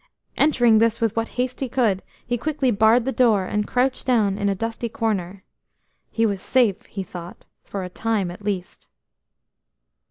Entering this with what haste he could, he quickly barred the door, and crouched down in a dusty corner. He was safe, he thought, for a time at least.